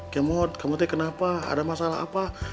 kemot kemote kenapa ada masalah apa